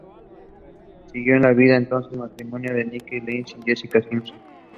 Siguió la vida del entonces matrimonio de Nick Lachey y Jessica Simpson.